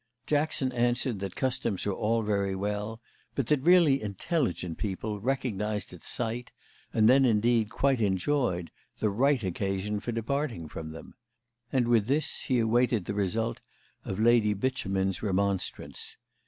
Jackson answered that customs were all very well, but that really intelligent people recognised at sight, and then indeed quite enjoyed, the right occasion for departing from them; and with this he awaited the result of Lady Beauchemin's remonstrance.